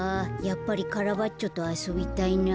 やっぱりカラバッチョとあそびたいな。